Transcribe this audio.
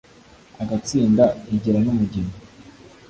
agatsinda, igira n'umugeni